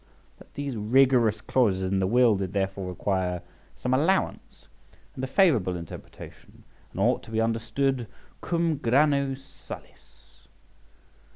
That these rigorous clauses in the will did therefore require some allowance and a favourable interpretation, and ought to be understood cum grano salis.